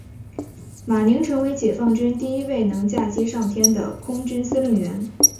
马宁成为解放军第一位能驾机上天的空军司令员。